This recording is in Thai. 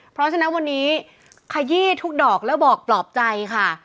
เพราะฉะนั้นวันนี้ขยี้ทุกดอกแล้วบอกปลอบใจค่ะ